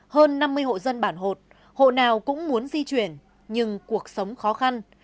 hơn năm mươi hộ dân bản hột hộ nào cũng muốn di chuyển nhưng cuộc sống khó khăn